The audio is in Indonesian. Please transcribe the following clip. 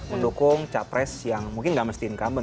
mendukung capres yang mungkin gak mesti income